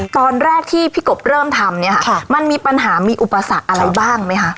ตอนแรกที่พี่กบเริ่มทำเนี่ยค่ะมันมีปัญหามีอุปสรรคอะไรบ้างไหมคะ